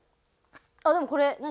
でもこれ何？